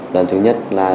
lần thứ nhất là lúc